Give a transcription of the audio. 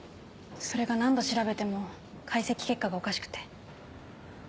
それが何度調べても解析結果がおかしくて。